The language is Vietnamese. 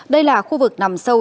đây là khu vực nằm sâu